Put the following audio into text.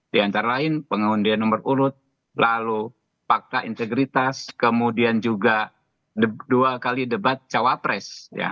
di antara lain pengundian nomor urut lalu fakta integritas kemudian juga dua kali debat cawapres